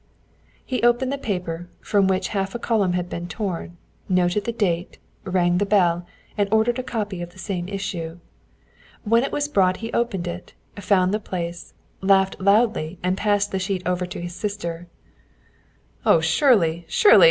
He opened the paper, from which half a column had been torn, noted the date, rang the bell, and ordered a copy of the same issue. When it was brought he opened it, found the place, laughed loudly, and passed the sheet over to his sister. "Oh, Shirley, Shirley!